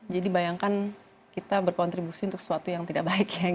jadi bayangkan kita berkontribusi untuk sesuatu yang tidak baik